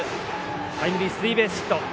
タイムリースリーベースヒット。